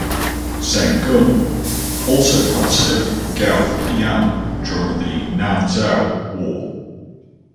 Zeng Gun also had served Gao Pian during the Nanzhao war.